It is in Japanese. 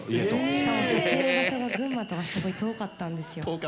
しかも、撮影現場が群馬ですごい遠かったんですよ。